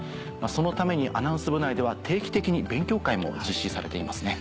そのためにアナウンス部内では定期的に勉強会も実施されていますね。